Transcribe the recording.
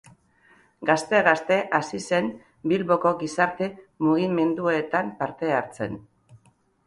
Gazte-gazte hasi zen Bilboko gizarte-mugimenduetan parte hartzen.